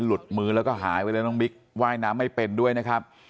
หลุดมือแล้วก็หายไปเลยน้องบิ๊กว่ายน้ำไม่เป็นด้วยนะครับ